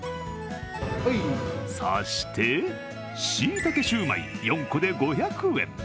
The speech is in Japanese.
そして、しいたけシュウマイ４個で５００円。